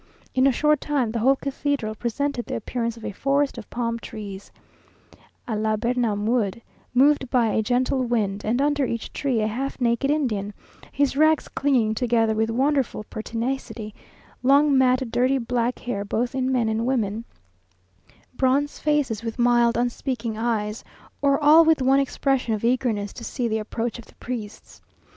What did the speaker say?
In a short time, the whole cathedral presented the appearance of a forest of palm trees, (à la Birnam wood) moved by a gentle wind; and under each tree a half naked Indian, his rags clinging together with wonderful pertinacity; long, matted, dirty black hair both in men and women, bronze faces with mild unspeaking eyes, or all with one expression of eagerness to see the approach of the priests.